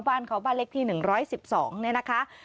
บ้านเล็กที่๑๑๒เนี่ยนะคะ